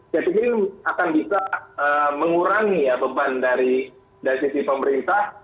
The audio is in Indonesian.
saya pikir ini akan bisa mengurangi ya beban dari sisi pemerintah